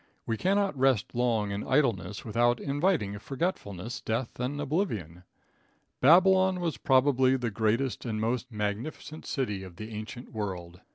We cannot rest long in idleness without inviting forgetfulness, death and oblivion. "Babylon was probably the largest and most magnificent city of the ancient world."